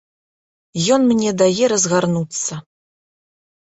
Ён мне дае разгарнуцца.